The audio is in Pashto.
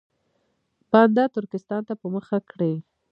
بنده ترکستان ته په مخه کړي.